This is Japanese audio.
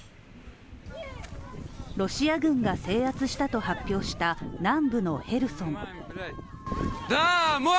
ロシア軍が制圧したと発表した南部のヘルソン。